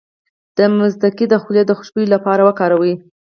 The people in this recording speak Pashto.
د مصطکي د خولې د خوشبو لپاره وکاروئ